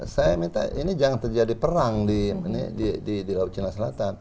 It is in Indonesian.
saya minta ini jangan terjadi perang di laut cina selatan